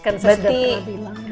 kan saya sudah pernah bilang